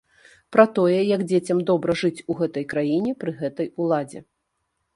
Пра тое, як дзецям добра жыць ў гэтай краіне пры гэтай уладзе.